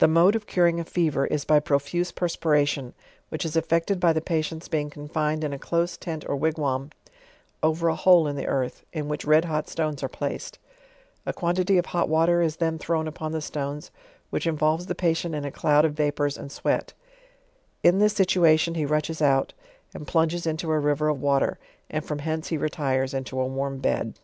The mode of curing a fever, is by profuse perspiration, which is effected by the patients being confined in a close tent or wigwam, over a hole in the earth, in which red hot stones are placed; a quant'ty of hot water is then thrown upon the stones, which involves the patient in a cloud of va pours and sweat; in this situation he rushes out; and plunges into a river of water, and from hence he retires into a warm bed.